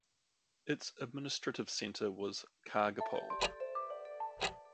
Its administrative centre was Kargopol.